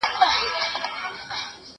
زه اوس زدکړه کوم؟!